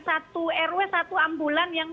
satu rw satu ambulan yang